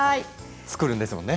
作るんですもんね。